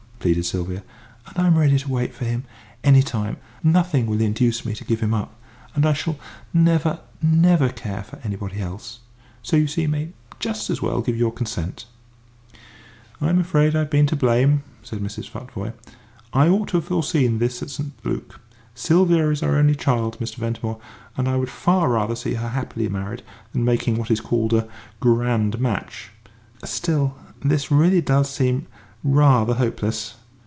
pleaded Sylvia. "And I'm ready to wait for him, any time. Nothing will induce me to give him up, and I shall never, never care for anybody else. So you see you may just as well give us your consent!" "I'm afraid I've been to blame," said Mrs. Futvoye. "I ought to have foreseen this at St. Luc. Sylvia is our only child, Mr. Ventimore, and I would far rather see her happily married than making what is called a 'grand match.' Still, this really does seem rather hopeless.